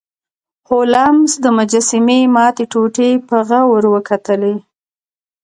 هولمز د مجسمې ماتې ټوټې په غور وکتلې.